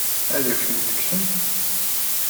Ad akent-ten-kksen?